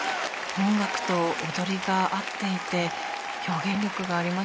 音楽と踊りが合っていて表現力がありましたね。